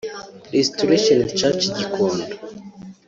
Resitoration Church Gikondo